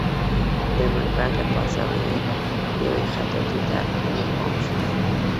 د منبر له پاسه یوې خطاطۍ ته مې پام شو.